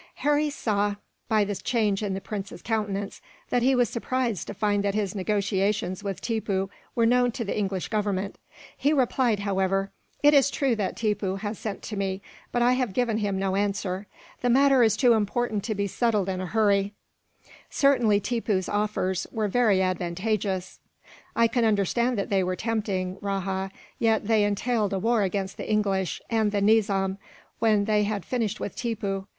Harry saw, by the change in the prince's countenance, that he was surprised to find that his negotiations with Tippoo were known to the English Government. He replied, however: "It is true that Tippoo has sent to me, but I have given him no answer. The matter is too important to be settled in a hurry. Certainly, Tippoo's offers were very advantageous." "I can understand that they were tempting, Rajah; yet they entailed a war against the English and the Nizam, when they had finished with Tippoo.